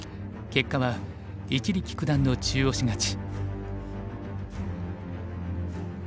結果は一力九段の僅か半目勝ち。